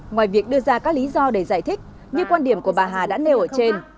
ngoài việc đưa ra các lý do để giải thích như quan điểm của bà hà đã nêu ở trên